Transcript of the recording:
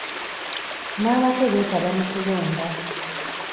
N'abato beetaba mu kulonda.